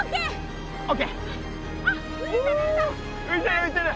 ういてるういてる！